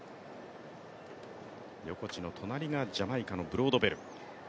横地の隣がジャマイカのブロードベル。